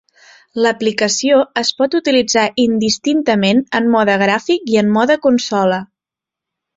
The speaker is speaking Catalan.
L'aplicació es pot utilitzar indistintament en mode gràfic i en mode consola.